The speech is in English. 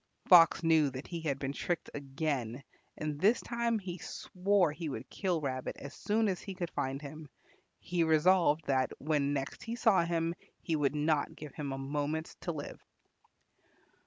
Fox knew that he had been tricked again, and this time he swore he would kill Rabbit as soon as he could find him; he resolved that when next he saw him he would not give him a moment to live.